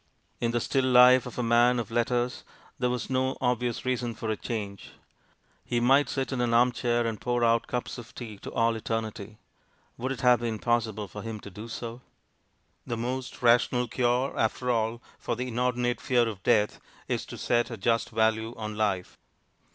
In the still life of a man of letters there was no obvious reason for a change. He might sit in an arm chair and pour out cups of tea to all eternity. Would it had been possible for him to do so! The most rational cure after all for the inordinate fear of death is to set a just value on life.